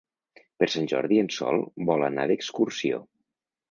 Per Sant Jordi en Sol vol anar d'excursió.